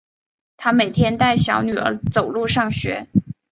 她每天带小女儿走路上学